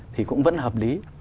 thì cũng vẫn hợp lý